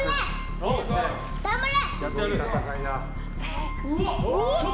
頑張れ！